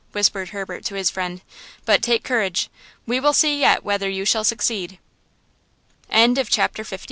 whispered Herbert to his friend, "but take courage. We will see yet whether you shall succeed!" CHAPTER LII.